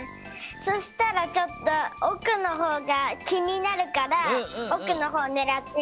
そしたらちょっとおくのほうがきになるからおくのほうねらってみた。